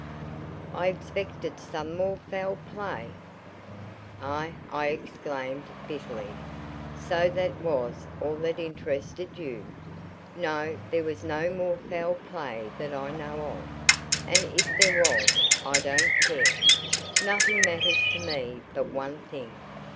"I expected some more foul play!" "Ah!" I exclaimed bitterly. "So that was all that interested you! No, there was no more foul play that I know of; and if there was, I don't care. Nothing matters to me but one thing.